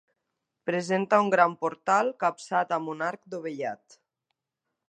Presenta un gran portal capçat amb un arc dovellat.